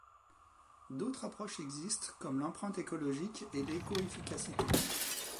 D'autres approches existent, comme l'empreinte écologique et l'éco-efficacité.